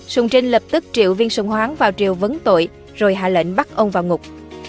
sùng trinh lập tức triệu viên sùng hoáng vào triều vấn tội rồi hạ lệnh bắt ông vào ngục